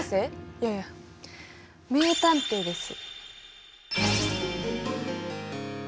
いやいや名探偵です！